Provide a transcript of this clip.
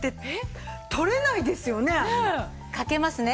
かけますね。